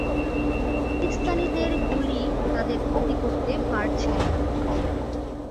পাকিস্তানিদের গুলি তাদের ক্ষতি করতে পারছে না।